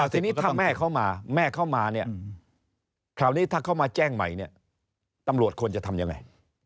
ทีนี้ถ้าแม่เขามาแม่เขามาเนี่ยคราวนี้ถ้าเขามาแจ้งใหม่เนี่ยตำรวจควรจะทำยังไง